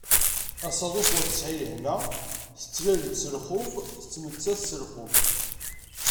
Asaḍuf ur tesεi lehna, tettlal-d s lxeff, tettmettat s lxeff.